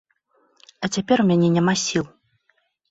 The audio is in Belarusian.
А цяпер у мяне няма сіл.